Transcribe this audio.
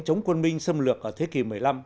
chống quân minh xâm lược ở thế kỷ một mươi năm